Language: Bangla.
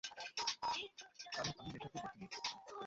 কারণ আমি নেশাকে বেছে নিয়েছি!